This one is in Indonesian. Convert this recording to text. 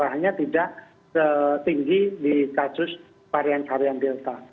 hanya tidak setinggi di kasus varian varian delta